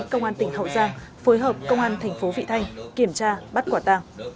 công an tỉnh hậu giang phối hợp công an thành phố vị thanh kiểm tra bắt quả tàng